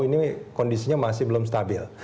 ini kondisinya masih belum stabil